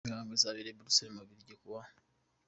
Iyo mihango izabera I Buruseli mu Bubiligi ku wa